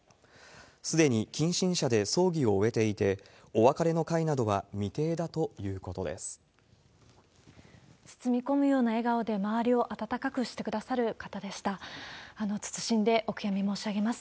すでに近親者で葬儀を終えていて、お別れの会などは未定だということです。